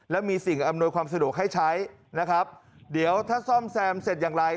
แล้วมีสิ่งอำนวยความสะดวกให้ใช้นะครับเดี๋ยวถ้าซ่อมแซมเสร็จอย่างไร